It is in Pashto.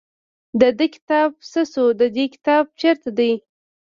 د ده کتاب څه شو د دې کتاب چېرته دی.